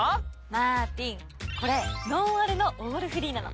マーティンこれノンアルのオールフリーなの。